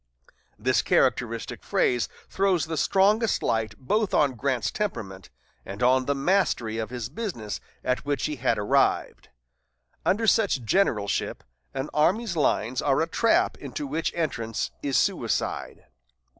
This characteristic phrase throws the strongest light both on Grant's temperament, and on the mastery of his business at which he had arrived. Under such generalship, an army's lines are a trap into which entrance is suicide.